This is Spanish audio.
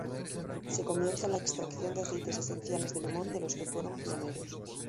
Se comienza la extracción de aceites esenciales de limón, de los que fueron pioneros.